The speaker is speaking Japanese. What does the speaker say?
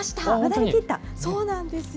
そうなんですよ。